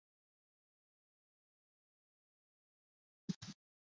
阿陀斯是位于美国亚利桑那州莫哈维县的一个非建制地区。